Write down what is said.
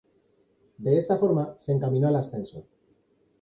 De esta forma, se encaminó al ascenso.